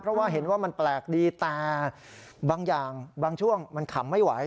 เพราะว่าเห็นว่ามันแปลกดีแต่บางอย่างบางช่วงมันขำไม่ไหว